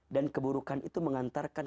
dan keburukan itu mengantarkan